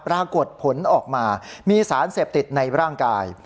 ปรากฏผลออกมามีสารเสพติดในร่างกาย